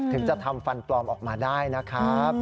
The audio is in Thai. ถึงจะทำฟันปลอมออกมาได้นะครับ